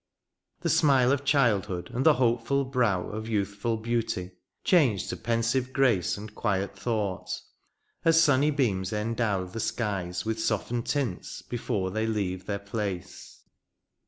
The smile of childhood, and the hopeful brow Of youthful beauty, change to pensive grace And quiet thought — as sunny beams endow The skies with softened tints before they leave their place.